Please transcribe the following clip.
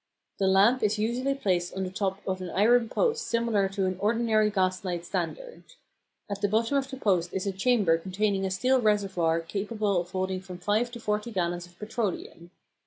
The lamp is usually placed on the top of an iron post similar to an ordinary gas light standard. At the bottom of the post is a chamber containing a steel reservoir capable of holding from five to forty gallons of petroleum.